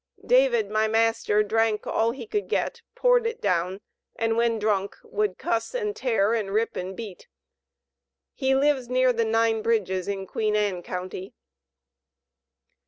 "David, my master, drank all he could get, poured it down, and when drunk, would cuss, and tear, and rip, and beat. He lives near the nine bridges, in Queen Ann county."